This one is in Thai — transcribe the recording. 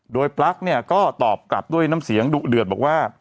โดยปลั๊กเนี่ยก็ตอบกลับด้วยน้ำเสียงดุเดือดบอกว่า